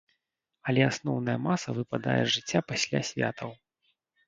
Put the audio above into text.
Але асноўная маса выпадае з жыцця пасля святаў.